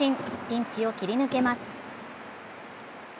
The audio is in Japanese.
ピンチを切り抜けます。